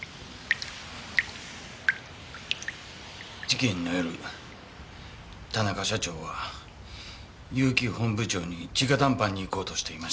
事件の夜田中社長は悠木本部長に直談判に行こうとしていました。